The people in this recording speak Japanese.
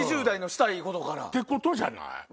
２０代のしたいことから。ってことじゃない？